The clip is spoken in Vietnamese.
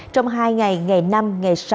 trong hai ngày